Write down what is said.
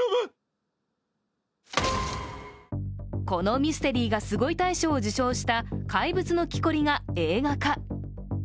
このミステリーがすごい！大賞を受賞した「怪物の木こり」が映画化。